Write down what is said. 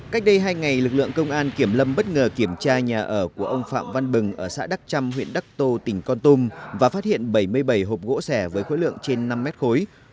cách đây hai ngày lực lượng công an kiểm lâm bất ngờ kiểm tra nhà ở của ông phạm văn bừng ở xã đắc trăm huyện đắc tô tỉnh con tum và phát hiện bảy mươi bảy hộp gỗ sẻ với khối lượng trên năm mét khối